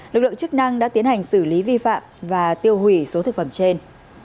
lực lượng chức năng đã tiến hành xử lý vi phạm và tiêu hủy số thực phẩm trên